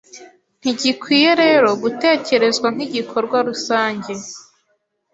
ntigikwiye rero gutekerezwa nkigikorwa rusange